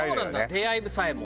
出会いでさえも？